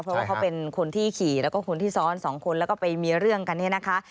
เพราะว่าเขาเป็นคนที่ขี่แล้วก็คนที่ซ้อนสองคนแล้วก็ไปมีเรื่องกันเนี่ยนะคะ